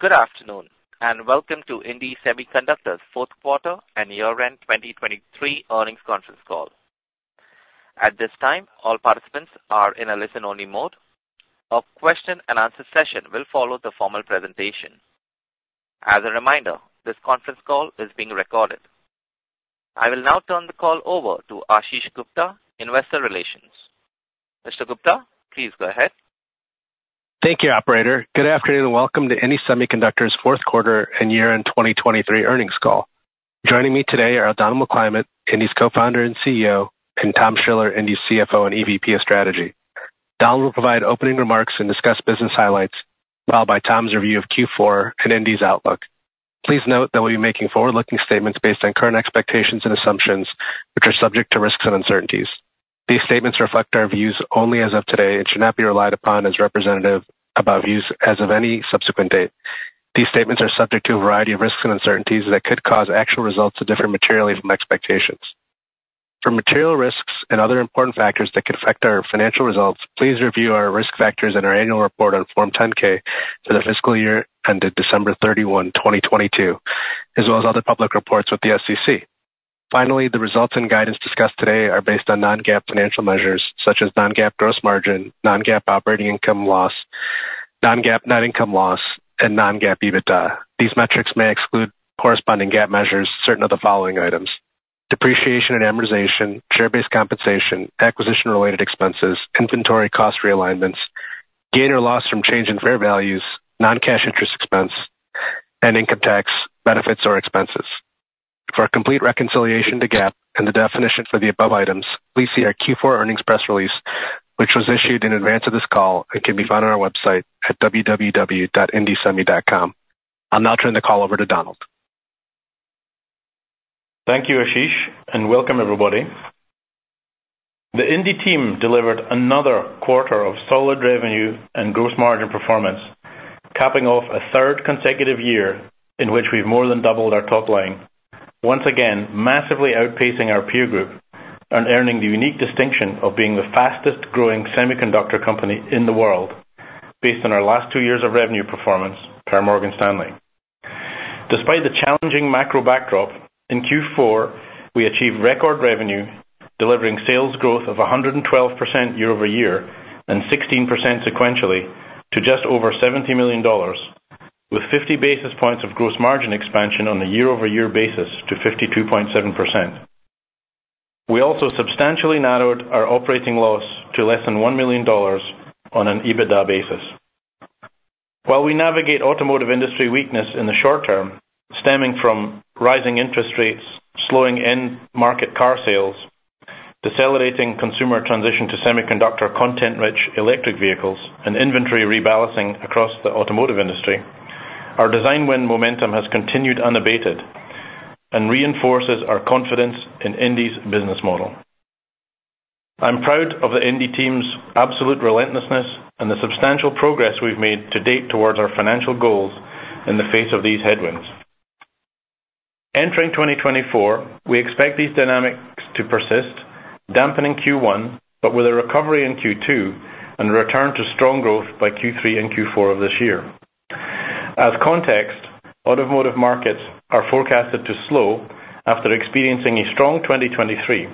Good afternoon and welcome to indie Semiconductor's fourth quarter and year-end 2023 earnings conference call. At this time all participants are in a listen-only mode. A question-and-answer session will follow the formal presentation. As a reminder this conference call is being recorded. I will now turn the call over to Ashish Gupta, Investor Relations. Mr. Gupta, please go ahead. Thank you, operator. Good afternoon and welcome to indie Semiconductor's fourth quarter and year-end 2023 earnings call. Joining me today are Donald McClymont, indie's Co-founder and CEO, and Tom Schiller, indie's CFO and EVP of Strategy. Donald will provide opening remarks and discuss business highlights, followed by Tom's review of Q4 and indie's outlook. Please note that we'll be making forward-looking statements based on current expectations and assumptions, which are subject to risks and uncertainties. These statements reflect our views only as of today and should not be relied upon as representative about views as of any subsequent date. These statements are subject to a variety of risks and uncertainties that could cause actual results to differ materially from expectations. For material risks and other important factors that could affect our financial results, please review our risk factors and our annual report on Form 10-K for the fiscal year ended December 31, 2022, as well as other public reports with the SEC. Finally, the results and guidance discussed today are based on non-GAAP financial measures such as non-GAAP gross margin, non-GAAP operating income loss, non-GAAP net income loss, and non-GAAP EBITDA. These metrics may exclude corresponding GAAP measures certain of the following items: depreciation and amortization, share-based compensation, acquisition-related expenses, inventory cost realignments, gain or loss from change in fair values, non-cash interest expense, and income tax, benefits, or expenses. For a complete reconciliation to GAAP and the definition for the above items, please see our Q4 earnings press release which was issued in advance of this call and can be found on our website at www.indiesemi.com. I'll now turn the call over to Donald. Thank you, Ashish, and welcome, everybody. The indie team delivered another quarter of solid revenue and gross margin performance capping off a third consecutive year in which we've more than doubled our top line. Once again massively outpacing our peer group and earning the unique distinction of being the fastest-growing semiconductor company in the world based on our last two years of revenue performance per Morgan Stanley. Despite the challenging macro backdrop in Q4, we achieved record revenue delivering sales growth of 112% year-over-year and 16% sequentially to just over $70 million with 50 basis points of gross margin expansion on a year-over-year basis to 52.7%. We also substantially narrowed our operating loss to less than $1 million on an EBITDA basis. While we navigate automotive industry weakness in the short term stemming from rising interest rates, slowing end-market car sales, decelerating consumer transition to semiconductor content-rich electric vehicles, and inventory rebalancing across the automotive industry, our design win momentum has continued unabated and reinforces our confidence in indie's business model. I'm proud of the indie team's absolute relentlessness and the substantial progress we've made to date towards our financial goals in the face of these headwinds. Entering 2024, we expect these dynamics to persist, dampening Q1 but with a recovery in Q2 and return to strong growth by Q3 and Q4 of this year. As context, automotive markets are forecasted to slow after experiencing a strong 2023.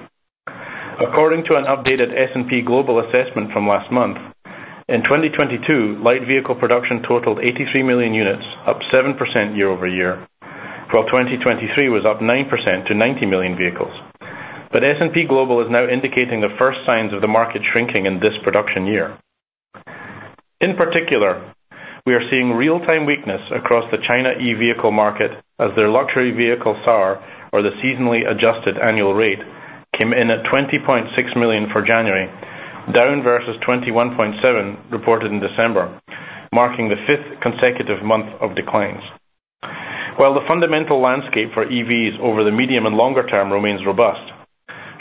According to an updated S&P Global assessment from last month in 2022, light vehicle production totaled 83 million units, up 7% year-over-year, while 2023 was up 9% to 90 million vehicles, but S&P Global is now indicating the first signs of the market shrinking in this production year. In particular, we are seeing real-time weakness across the China E-vehicle market as their luxury vehicle SAR, or the seasonally adjusted annual rate, came in at 20.6 million for January, down versus 21.7 reported in December, marking the fifth consecutive month of declines. While the fundamental landscape for EVs over the medium- and longer-term remains robust,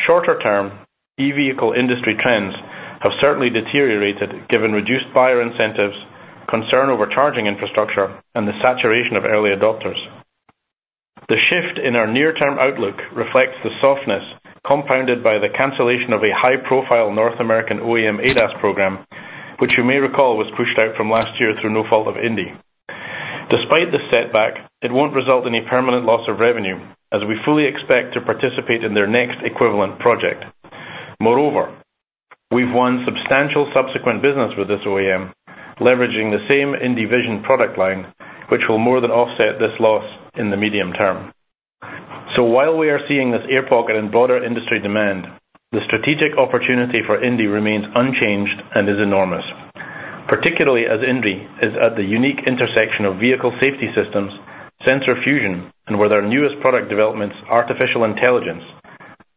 shorter-term E-vehicle industry trends have certainly deteriorated given reduced buyer incentives, concern over charging infrastructure, and the saturation of early adopters. The shift in our near-term outlook reflects the softness compounded by the cancellation of a high-profile North American OEM ADAS program, which you may recall was pushed out from last year through no fault of indie. Despite this setback, it won't result in a permanent loss of revenue as we fully expect to participate in their next equivalent project. Moreover, we've won substantial subsequent business with this OEM leveraging the same indie Vision product line, which will more than offset this loss in the medium term. So while we are seeing this air pocket in broader industry demand, the strategic opportunity for indie remains unchanged and is enormous, particularly as indie is at the unique intersection of vehicle safety systems, sensor fusion, and with our newest product developments artificial intelligence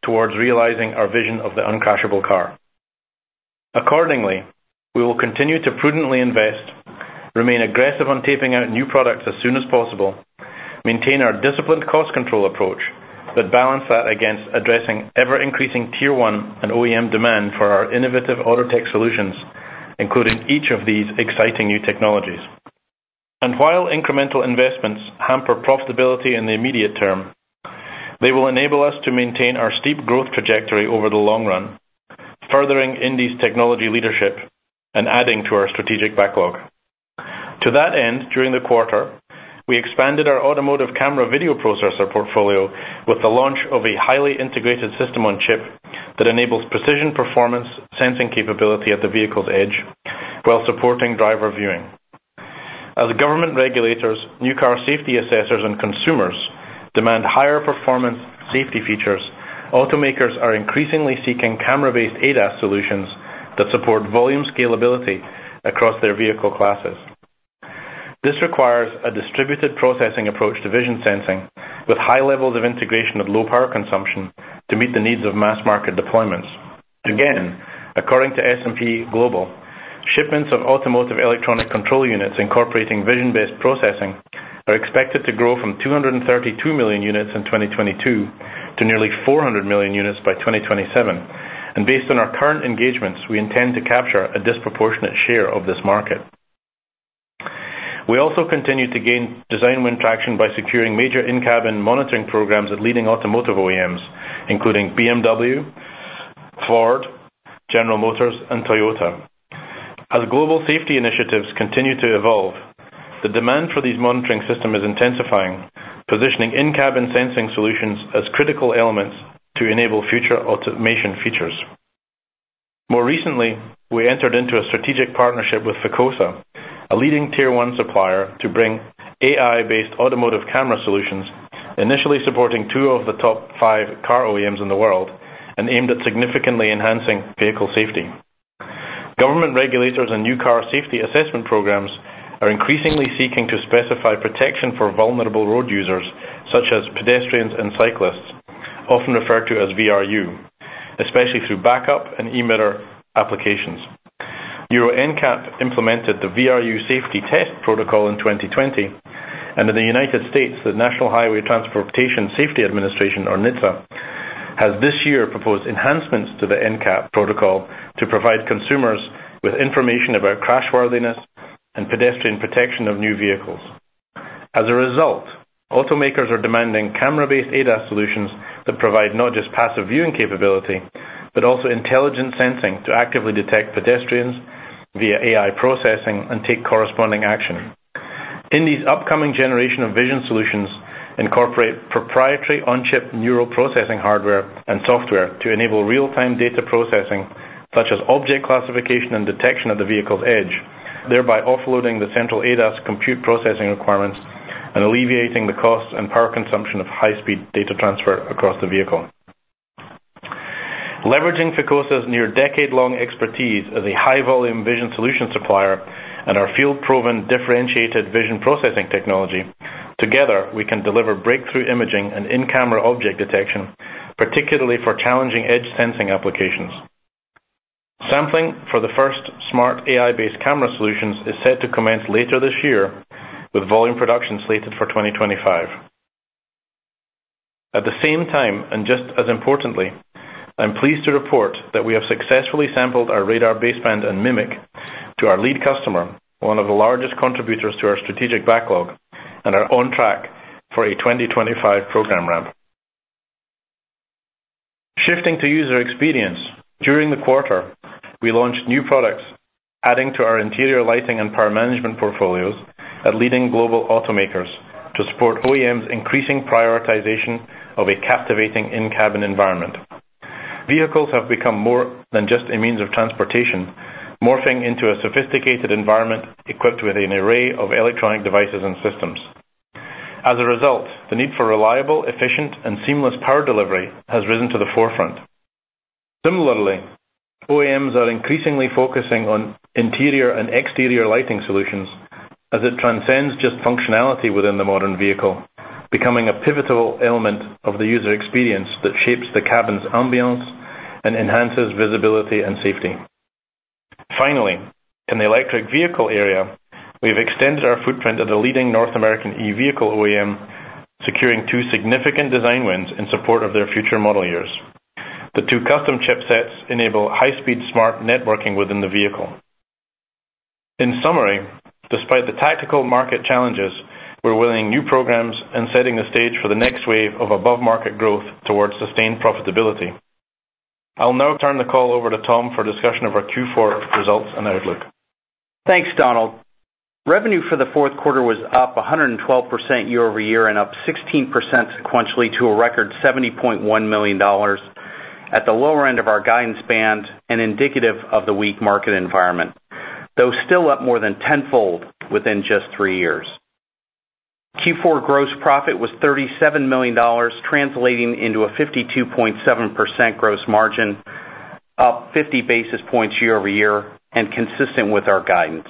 towards realizing our vision of the uncrashable car. Accordingly, we will continue to prudently invest, remain aggressive on taping out new products as soon as possible, maintain our disciplined cost control approach but balance that against addressing ever-increasing Tier 1 and OEM demand for our innovative auto tech solutions including each of these exciting new technologies. And while incremental investments hamper profitability in the immediate term, they will enable us to maintain our steep growth trajectory over the long run, furthering indie's technology leadership and adding to our strategic backlog. To that end, during the quarter we expanded our automotive camera video processor portfolio with the launch of a highly integrated system-on-chip that enables precision performance sensing capability at the vehicle's edge while supporting driver viewing. As government regulators, new car safety assessors, and consumers demand higher performance safety features, automakers are increasingly seeking camera-based ADAS solutions that support volume scalability across their vehicle classes. This requires a distributed processing approach to vision sensing with high levels of integration of low power consumption to meet the needs of mass market deployments. Again, according to S&P Global, shipments of automotive electronic control units incorporating vision-based processing are expected to grow from 232 million units in 2022 to nearly 400 million units by 2027, and based on our current engagements, we intend to capture a disproportionate share of this market. We also continue to gain design win traction by securing major In-Cabin Monitoring programs at leading automotive OEMs including BMW, Ford, General Motors, and Toyota. As global safety initiatives continue to evolve, the demand for these monitoring systems is intensifying, positioning in-cabin sensing solutions as critical elements to enable future automation features. More recently we entered into a strategic partnership with Ficosa, a leading Tier 1 supplier to bring AI-based automotive camera solutions initially supporting two of the top five car OEMs in the world and aimed at significantly enhancing vehicle safety. Government regulators and new car safety assessment programs are increasingly seeking to specify protection for vulnerable road users such as pedestrians and cyclists, often referred to as VRU, especially through backup and e-mirror applications. Euro NCAP implemented the VRU safety test protocol in 2020, and in the United States, the National Highway Traffic Safety Administration, or NHTSA, has this year proposed enhancements to the NCAP protocol to provide consumers with information about crashworthiness and pedestrian protection of new vehicles. As a result, automakers are demanding camera-based ADAS solutions that provide not just passive viewing capability but also intelligent sensing to actively detect pedestrians via AI processing and take corresponding action. indie's upcoming generation of Vision solutions incorporate proprietary on-chip neural processing hardware and software to enable real-time data processing such as object classification and detection at the vehicle's edge thereby offloading the central ADAS compute processing requirements and alleviating the costs and power consumption of high-speed data transfer across the vehicle. Leveraging Ficosa's near-decade-long expertise as a high-volume vision solution supplier and our field-proven differentiated Vision processing technology together we can deliver breakthrough imaging and in-camera object detection particularly for challenging edge sensing applications. Sampling for the first smart AI-based camera solutions is set to commence later this year with volume production slated for 2025. At the same time and just as importantly I'm pleased to report that we have successfully sampled our radar baseband and MMIC to our lead customer one of the largest contributors to our strategic backlog and are on track for a 2025 program ramp. Shifting to user experience, during the quarter we launched new products adding to our interior lighting and power management portfolios at leading global automakers to support OEMs' increasing prioritization of a captivating in-cabin environment. Vehicles have become more than just a means of transportation, morphing into a sophisticated environment equipped with an array of electronic devices and systems. As a result, the need for reliable, efficient, and seamless power delivery has risen to the forefront. Similarly, OEMs are increasingly focusing on interior and exterior lighting solutions as it transcends just functionality within the modern vehicle, becoming a pivotal element of the user experience that shapes the cabin's ambiance and enhances visibility and safety. Finally, in the electric vehicle area we've extended our footprint at a leading North American E-vehicle OEM, securing two significant design wins in support of their future model years. The two custom chipsets enable high-speed smart networking within the vehicle. In summary, despite the tactical market challenges, we're winning new programs and setting the stage for the next wave of above-market growth towards sustained profitability. I'll now turn the call over to Tom for a discussion of our Q4 results and outlook. Thanks Donald. Revenue for the fourth quarter was up 112% year-over-year and up 16% sequentially to a record $70.1 million at the lower end of our guidance band and indicative of the weak market environment though still up more than tenfold within just three years. Q4 gross profit was $37 million translating into a 52.7% gross margin up 50 basis points year-over-year and consistent with our guidance.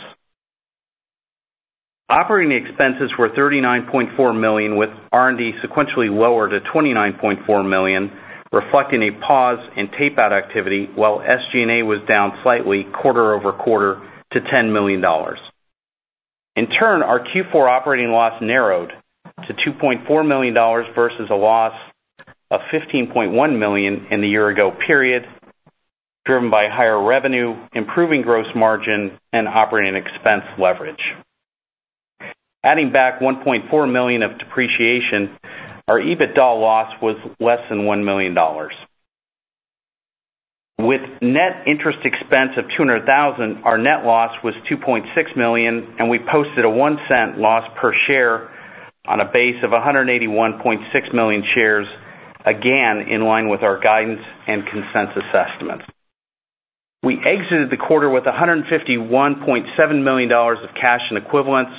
Operating expenses were $39.4 million with R&D sequentially lowered to $29.4 million reflecting a pause in tape-out activity while SG&A was down slightly quarter-over-quarter to $10 million. In turn our Q4 operating loss narrowed to $2.4 million versus a loss of $15.1 million in the year ago period driven by higher revenue improving gross margin and operating expense leverage. Adding back $1.4 million of depreciation our EBITDA loss was less than $1 million. With net interest expense of $200,000, our net loss was $2.6 million and we posted a $0.01 loss per share on a base of 181.6 million shares, again in line with our guidance and consensus estimates. We exited the quarter with $151.7 million of cash and equivalents,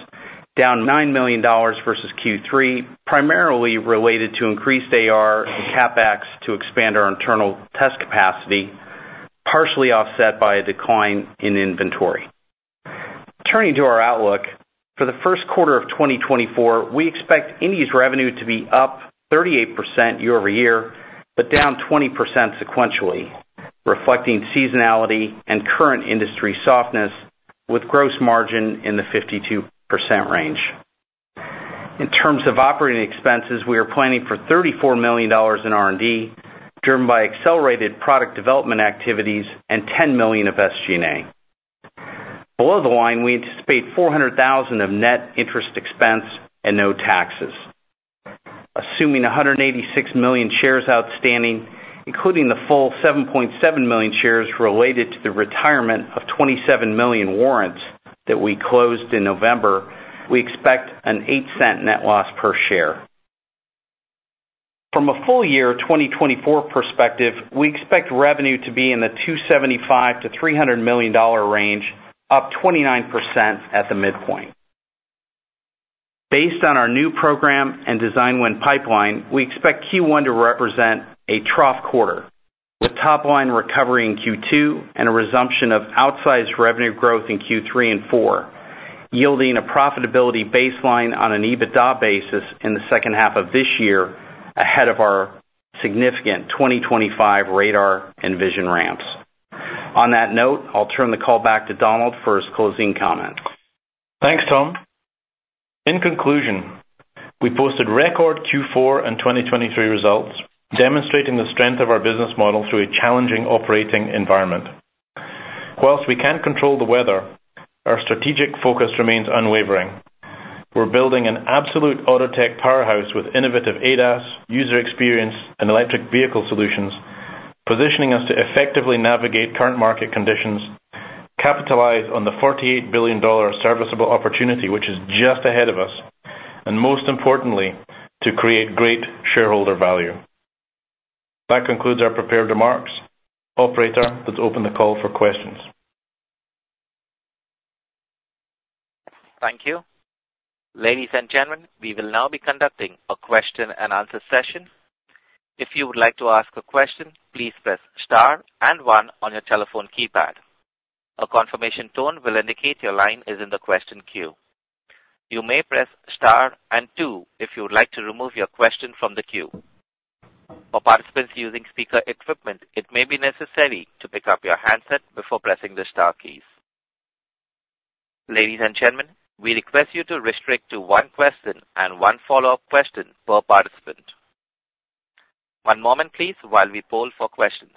down $9 million versus Q3, primarily related to increased AR and CapEx to expand our internal test capacity, partially offset by a decline in inventory. Turning to our outlook for the first quarter of 2024, we expect indie's revenue to be up 38% year-over-year but down 20% sequentially, reflecting seasonality and current industry softness, with gross margin in the 52% range. In terms of operating expenses, we are planning for $34 million in R&D driven by accelerated product development activities and $10 million of SG&A. Below the line, we anticipate $400,000 of net interest expense and no taxes. Assuming 186 million shares outstanding, including the full 7.7 million shares related to the retirement of 27 million warrants that we closed in November, we expect an $0.08 net loss per share. From a full year 2024 perspective, we expect revenue to be in the $275 million-$300 million range, up 29% at the midpoint. Based on our new program and design win pipeline, we expect Q1 to represent a trough quarter with top line recovery in Q2 and a resumption of outsized revenue growth in Q3 and 4, yielding a profitability baseline on an EBITDA basis in the second half of this year ahead of our significant 2025 radar and vision ramps. On that note, I'll turn the call back to Donald for his closing comments. Thanks Tom. In conclusion, we posted record Q4 and 2023 results demonstrating the strength of our business model through a challenging operating environment. While we can't control the weather, our strategic focus remains unwavering. We're building an absolute auto tech powerhouse with innovative ADAS user experience and electric vehicle solutions, positioning us to effectively navigate current market conditions, capitalize on the $48 billion serviceable opportunity which is just ahead of us, and most importantly to create great shareholder value. That concludes our prepared remarks. Operator, let's open the call for questions. Thank you. Ladies and gentlemen, we will now be conducting a question and answer session. If you would like to ask a question, please press star and one on your telephone keypad. A confirmation tone will indicate your line is in the question queue. You may press star and two if you would like to remove your question from the queue. For participants using speaker equipment, it may be necessary to pick up your handset before pressing the star keys. Ladies and gentlemen, we request you to restrict to one question and one follow-up question per participant. One moment please while we poll for questions.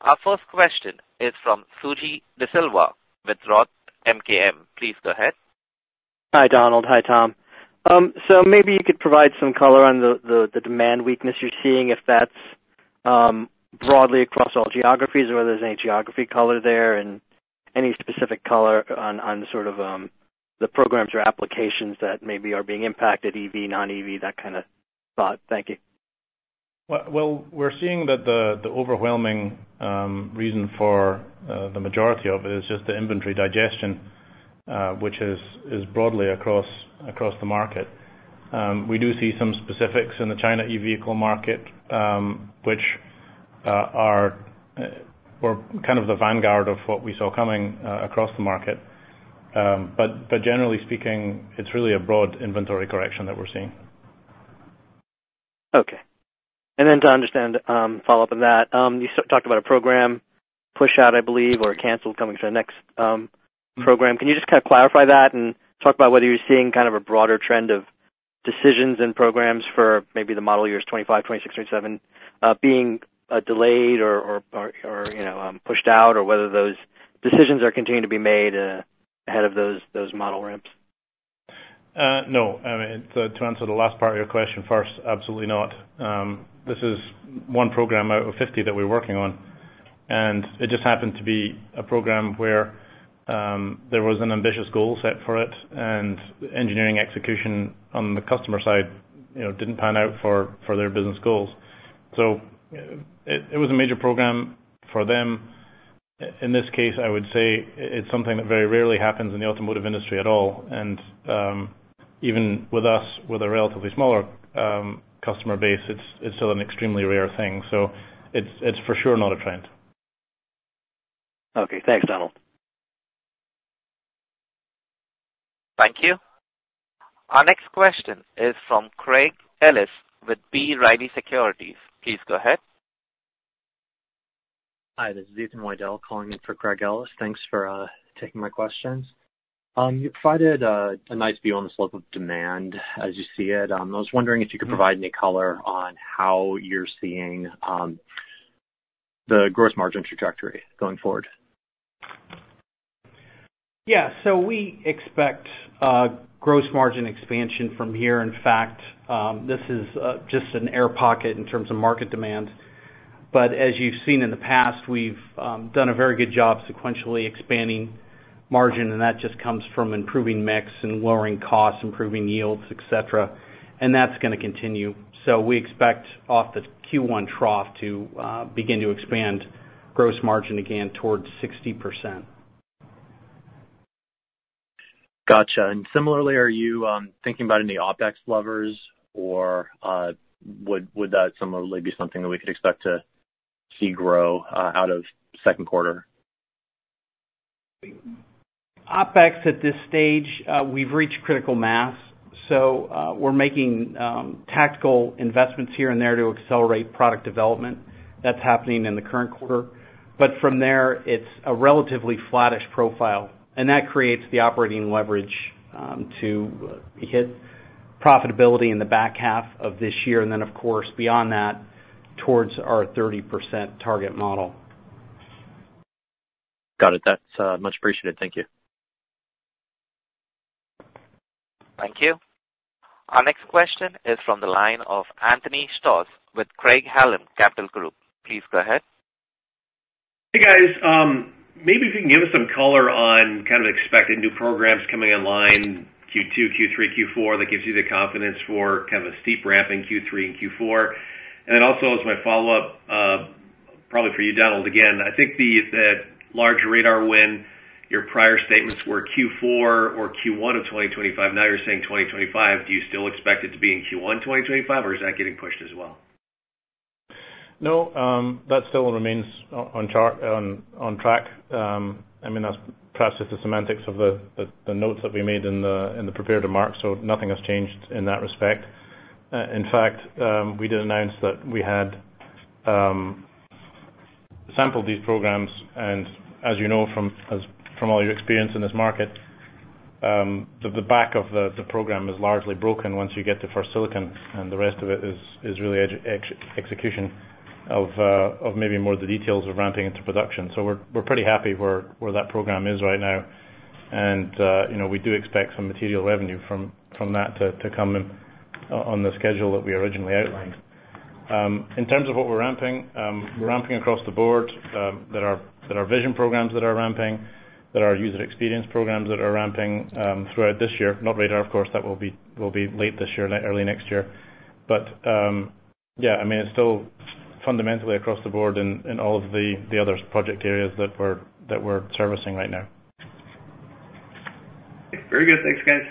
Our first question is from Suji Desilva with Roth MKM. Please go ahead. Hi Donald. Hi Tom. So maybe you could provide some color on the demand weakness you're seeing if that's broadly across all geographies or whether there's any geography color there and any specific color on sort of the programs or applications that maybe are being impacted EV non-EV that kind of thought. Thank you. Well, we're seeing that the overwhelming reason for the majority of it is just the inventory digestion which is broadly across the market. We do see some specifics in the China EV market which are kind of the vanguard of what we saw coming across the market. But generally speaking it's really a broad inventory correction that we're seeing. Okay. And then to understand follow-up on that you talked about a program push out I believe or cancelled coming for the next program. Can you just kind of clarify that and talk about whether you're seeing kind of a broader trend of decisions and programs for maybe the model years 2025, 2026, 2027 being delayed or pushed out or whether those decisions are continuing to be made ahead of those model ramps. No. I mean to answer the last part of your question first, absolutely not. This is one program out of 50 that we're working on, and it just happened to be a program where there was an ambitious goal set for it and engineering execution on the customer side didn't pan out for their business goals. So it was a major program for them. In this case, I would say it's something that very rarely happens in the automotive industry at all, and even with us, with a relatively smaller customer base, it's still an extremely rare thing. So it's for sure not a trend. Okay. Thanks Donald. Thank you. Our next question is from Craig Ellis with B. Riley Securities. Please go ahead. Hi, this is Ethan Widell calling in for Craig Ellis. Thanks for taking my questions. You provided a nice view on the slope of demand as you see it. I was wondering if you could provide any color on how you're seeing the gross margin trajectory going forward. Yeah. So we expect gross margin expansion from here. In fact this is just an air pocket in terms of market demand. But as you've seen in the past we've done a very good job sequentially expanding margin and that just comes from improving mix and lowering costs improving yields etc. And that's going to continue. So we expect off the Q1 trough to begin to expand gross margin again towards 60%. Gotcha. Similarly are you thinking about any OpEx levers or would that similarly be something that we could expect to see grow out of second quarter? OpEx at this stage we've reached critical mass so we're making tactical investments here and there to accelerate product development. That's happening in the current quarter. But from there it's a relatively flat-ish profile and that creates the operating leverage to hit profitability in the back half of this year and then of course beyond that towards our 30% target model. Got it. That's much appreciated. Thank you. Thank you. Our next question is from the line of Anthony Stoss with Craig-Hallum Capital Group. Please go ahead. Hey guys. Maybe if you can give us some color on kind of expected new programs coming in line Q2 Q3 Q4 that gives you the confidence for kind of a steep ramp in Q3 and Q4. And then also as my follow-up probably for you Donald again I think that large radar win your prior statements were Q4 or Q1 of 2025 now you're saying 2025 do you still expect it to be in Q1 2025 or is that getting pushed as well? No. That still remains on track. I mean that's perhaps just the semantics of the notes that we made in the prepared remarks so nothing has changed in that respect. In fact we did announce that we had sampled these programs and as you know from all your experience in this market the back of the program is largely broken once you get to first silicon and the rest of it is really execution of maybe more of the details of ramping into production. So we're pretty happy where that program is right now and we do expect some material revenue from that to come on the schedule that we originally outlined. In terms of what we're ramping we're ramping across the board. There are vision programs that are ramping there are user experience programs that are ramping throughout this year. Not radar, of course, that will be late this year, early next year. But yeah, I mean, it's still fundamentally across the board in all of the other project areas that we're servicing right now. Very good. Thanks guys.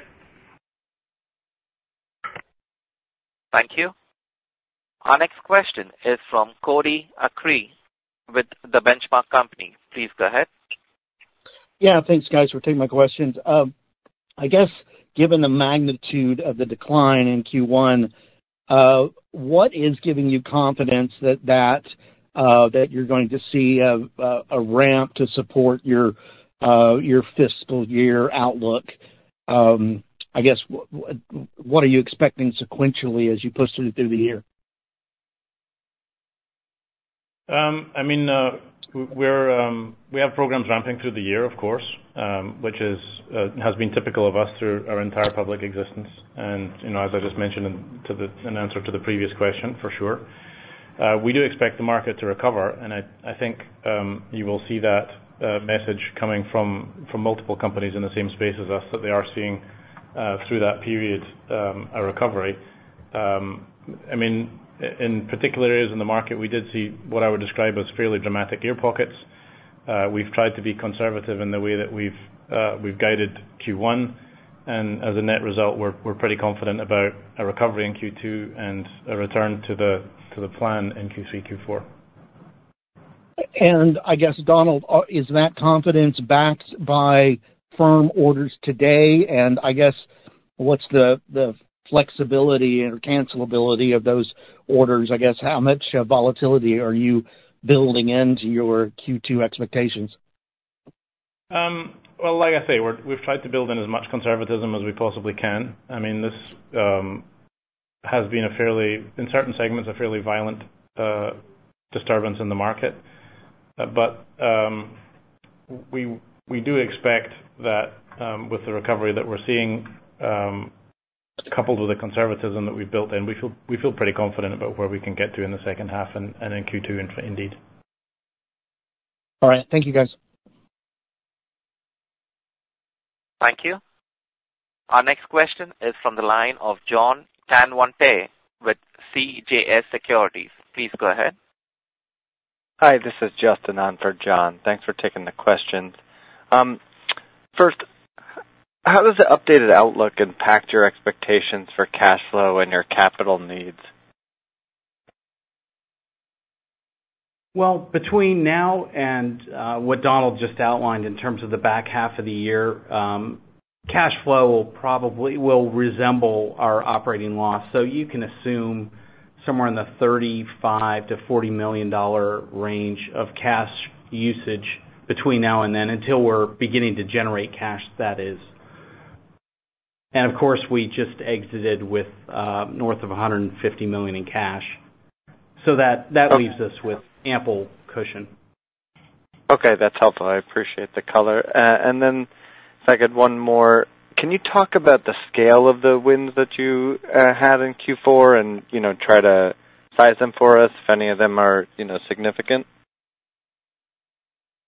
Thank you. Our next question is from Cody Acree with the Benchmark Company. Please go ahead. Yeah, thanks guys for taking my questions. I guess, given the magnitude of the decline in Q1, what is giving you confidence that you're going to see a ramp to support your fiscal year outlook? I guess, what are you expecting sequentially as you push through the year? I mean, we have programs ramping through the year, of course, which has been typical of us through our entire public existence. And as I just mentioned in answer to the previous question, for sure we do expect the market to recover, and I think you will see that message coming from multiple companies in the same space as us that they are seeing through that period a recovery. I mean, in particular areas in the market we did see what I would describe as fairly dramatic air pockets. We've tried to be conservative in the way that we've guided Q1, and as a net result we're pretty confident about a recovery in Q2 and a return to the plan in Q3 Q4. I guess, Donald, is that confidence backed by firm orders today? I guess what's the flexibility or cancellability of those orders? I guess how much volatility are you building into your Q2 expectations? Well, like I say, we've tried to build in as much conservatism as we possibly can. I mean, this has been a fairly in certain segments a fairly violent disturbance in the market. But we do expect that with the recovery that we're seeing coupled with the conservatism that we've built in, we feel pretty confident about where we can get to in the second half and in Q2 indeed. All right. Thank you guys. Thank you. Our next question is from the line of John Tanwanteng with CJS Securities. Please go ahead. Hi, this is Justin on for John Tanwanteng. Thanks for taking the questions. First, how does the updated outlook impact your expectations for cash flow and your capital needs? Well, between now and what Donald just outlined in terms of the back half of the year, cash flow will probably resemble our operating loss. So you can assume somewhere in the $35 million-$40 million range of cash usage between now and then until we're beginning to generate cash, that is. And of course we just exited with north of $150 million in cash so that leaves us with ample cushion. Okay. That's helpful. I appreciate the color. Then if I could one more, can you talk about the scale of the wins that you had in Q4 and try to size them for us if any of them are significant?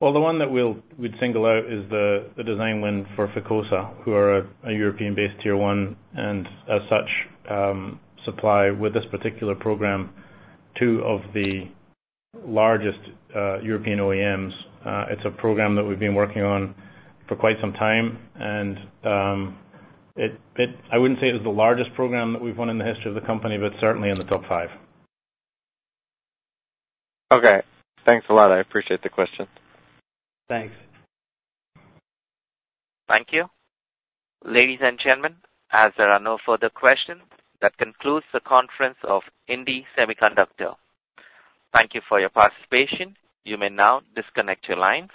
Well, the one that we'd single out is the design win for Ficosa who are a Europe-based Tier 1 and as such supply with this particular program two of the largest European OEMs. It's a program that we've been working on for quite some time and I wouldn't say it was the largest program that we've won in the history of the company but certainly in the top five. Okay. Thanks a lot. I appreciate the question. Thanks. Thank you. Ladies and gentlemen, as there are no further questions, that concludes the conference of indie Semiconductor. Thank you for your participation. You may now disconnect your lines.